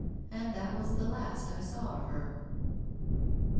And that was the last I saw of her!'